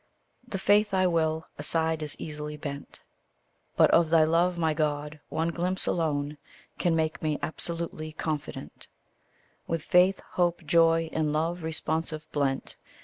The faith I will, aside is easily bent; But of thy love, my God, one glimpse alone Can make me absolutely confident With faith, hope, joy, in love responsive blent.